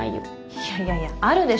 いやいやいやあるでしょ。